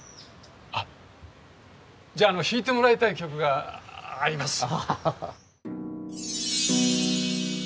あっじゃあ弾いてもらいたい曲があります。